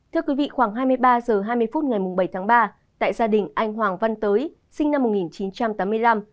thưa quý vị khoảng hai mươi ba h hai mươi phút ngày bảy tháng ba tại gia đình anh hoàng văn tới sinh năm một nghìn chín trăm tám mươi năm